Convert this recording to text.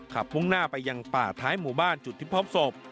พุ่งหน้าไปยังป่าท้ายหมู่บ้านจุดที่พบศพ